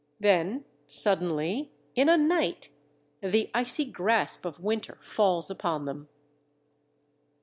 Then suddenly, in a night, the icy grasp of winter falls upon them.